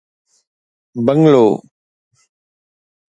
bungalow